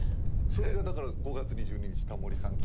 それがだから５月２２日タモリさん